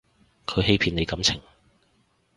佢欺騙你感情